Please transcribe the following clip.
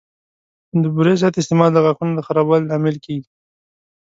د بوري زیات استعمال د غاښونو د خرابوالي لامل کېږي.